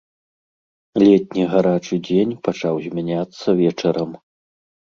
Летні гарачы дзень пачаў змяняцца вечарам.